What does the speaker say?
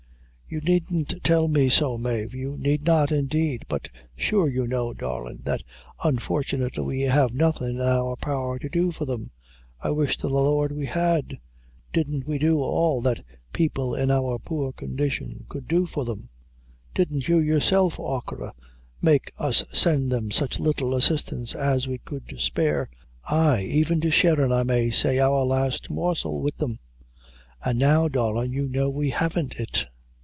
"You needn't tell me so, Mave; you need not, indeed; but sure you know, darlin', that unfortunately, we have nothing in our power to do for them; I wish to the Lord we had! Didn't we do all that people in our poor condition could do for them? Didn't you, yourself, achora, make us send them such little assistance as we could spare? ay, even to sharin' I may say, our last morsel wid them; an' now, darlin', you know we haven't it."